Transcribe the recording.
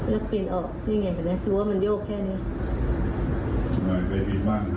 มาพร้อมเพราะมีอาวุธมาแล้วเปลี่ยนออกนี่ไงก็ได้รู้